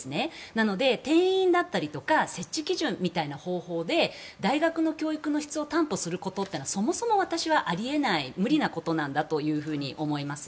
なので定員だったり設置基準みたいな方法で大学の教育の質を担保するのはそもそも私は、あり得ない無理なことなんだと思います。